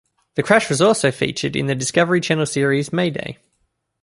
The crash was also featured in the Discovery Channel series Mayday.